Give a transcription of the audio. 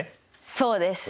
そうです。